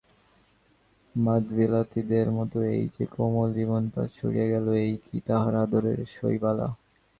মাধবীলতাটির মতো এই যে কোমল জীবনপাশ ছিঁড়িয়া গেল, এই কি তাহার আদরের শৈলবালা।